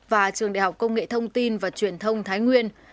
và trường đại học công nghệ thông tin và truyền thông thái nguyên